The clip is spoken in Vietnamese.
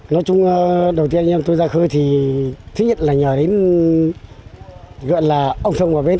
nói chung đầu tiên anh em tôi ra khơi thì thích nhất là nhờ đến gần là ông sông và bến